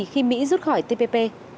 khi mỹ rút khỏi tpp